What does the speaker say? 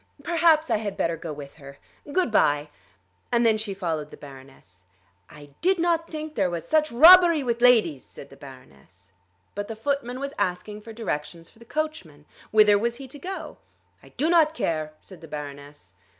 "Perhaps I had better go with her. Good bye." And then she followed the Baroness. "I did not tink dere was such robbery with ladies," said the Baroness. But the footman was asking for directions for the coachman. Whither was he to go? "I do not care," said the Baroness.